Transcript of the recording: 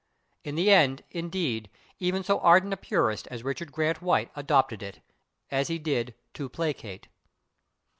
In the end, indeed, even so ardent a purist as Richard Grant White adopted it, as he did /to placate